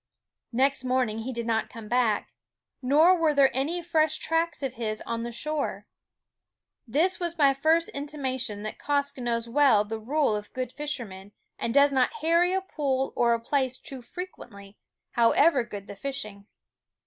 Next morning he did not come back; nor were there any fresh tracks of his on the shore. This was my first intimation that Quoskh knows well the rule of good fisher men, and does not harry a pool or a place too frequently, however good the fishing.